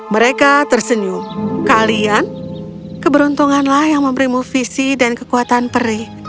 mereka tersenyum kalian keberuntunganlah yang memberimu visi dan kekuatan perih